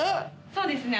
そうですね。